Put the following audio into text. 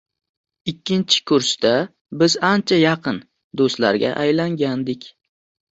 Ikkinchi kursda biz ancha yaqin do`stlarga aylangandik